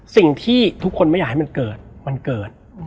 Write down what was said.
สิ่งที่ทุกคนไม่อยากให้มันเกิดวันเกิด